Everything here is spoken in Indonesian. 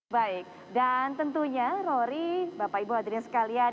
baik dan tentunya rory bapak ibu hadirin sekalian